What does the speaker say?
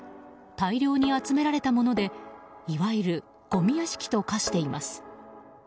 大量に集められたものでいわゆるごみ屋敷と化しています。